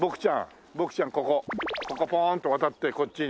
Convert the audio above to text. ここポーンと渡ってこっちに。